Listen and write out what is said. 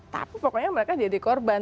tapi pokoknya mereka jadi korban